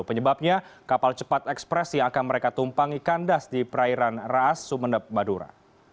penyebabnya kapal cepat ekspresi yang akan mereka tumpangi kandas di perairan raas sumeneb madura